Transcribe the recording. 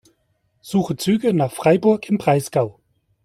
Suche Züge nach Freiburg im Breisgau.